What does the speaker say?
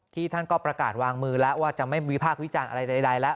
ท่านก็ประกาศวางมือแล้วว่าจะไม่วิพากษ์วิจารณ์อะไรใดแล้ว